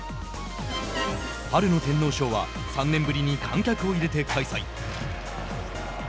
春の天皇賞は３年ぶりに観客を入れて開催。